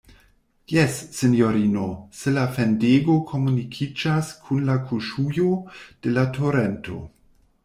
Jes, sinjorino, se la fendego komunikiĝas kun la kuŝujo de la torento.